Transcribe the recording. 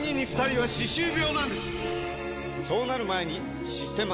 そうなる前に「システマ」！